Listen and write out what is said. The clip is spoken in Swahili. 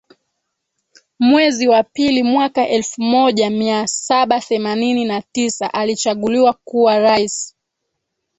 mwezi wa pili mwaka elfu moja mia saba themanini na tisa alichaguliwa kuwa rais